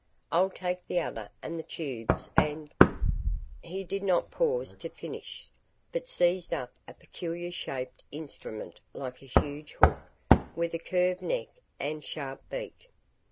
I'll take the other and the tubes and " He did not pause to finish, but seized up a peculiar shaped instrument, like a huge hook, with a curved neck and sharp beak.